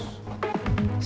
mengenai rantai yang terputus